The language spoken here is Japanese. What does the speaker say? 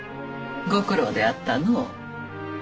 ご苦労であったのう。